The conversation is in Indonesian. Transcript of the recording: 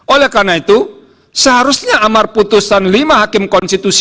oleh karena itu seharusnya amar putusan lima hakim konstitusi